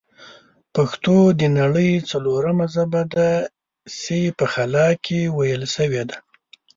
پښتو د نړۍ ځلورمه ژبه ده چې په خلا کښې ویل شوې ده